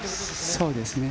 そうですね。